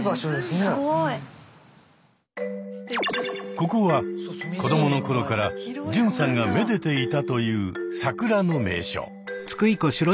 ここは子どもの頃から純さんがめでていたという桜の名所。